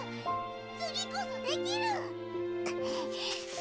次こそできる！